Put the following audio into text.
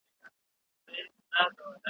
تکرار یې اوره، حکایت په کار دئ